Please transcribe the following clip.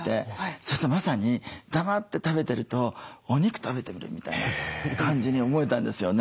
そしたらまさに黙って食べてるとお肉食べてるみたいな感じに思えたんですよね。